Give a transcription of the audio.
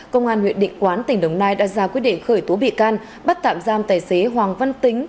công an huyện định quán tỉnh đồng nai đã ra quyết định khởi tố bị can bắt tạm giam tài xế hoàng văn tính